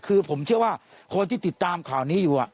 คือผมเชื่อว่าคนที่ติดตามข่าวนี้อยู่